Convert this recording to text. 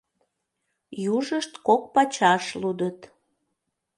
Южышт кок пачаш лудыт.